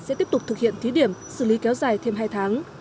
sẽ tiếp tục thực hiện thí điểm xử lý kéo dài thêm hai tháng